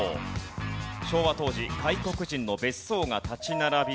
昭和当時外国人の別荘が立ち並び